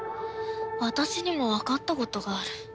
私にもわかったことがある。